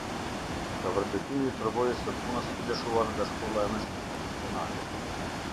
Nga Vërtetimi i përvojës së punës i lëshuar nga Shkolla e Mesme Profesionale.